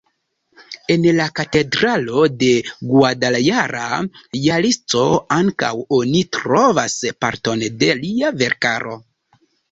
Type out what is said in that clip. En la katedralo de Guadalajara, Jalisco, ankaŭ oni trovas parton de lia verkaro.